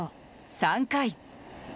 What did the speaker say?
３回。